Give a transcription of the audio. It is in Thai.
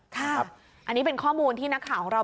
ค่ะอันนี้เป็นข้อมูลที่นักข่าวของเรา